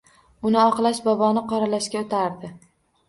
Uni oqlash boboni qoralashga o‘tardi